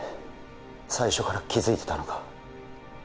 最初から気づいてたのか？